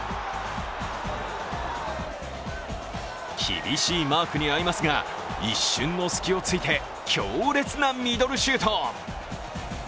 厳しいマークに遭いますが、一瞬の隙を突いて強烈なミドルシュート。